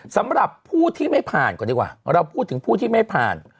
สำหรับผู้ที่ไม่ผ่านก่อนดีกว่าเราพูดถึงผู้ที่ไม่ผ่าน